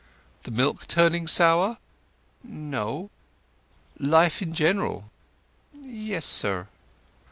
"The milk turning sour?" "No." "Life in general?" "Yes, sir."